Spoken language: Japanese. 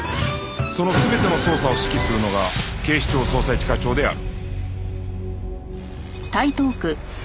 その全ての捜査を指揮するのが警視庁捜査一課長である